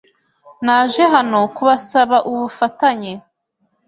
Naje hano kubasaba ubufatanye.